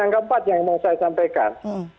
yang keempat yang mau saya sampaikan